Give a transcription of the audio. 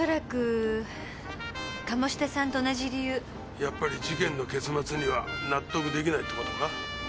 やっぱり事件の結末には納得できないってことか？